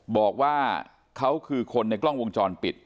บอกว่าเขาคือคนในกล้องวงจรปิด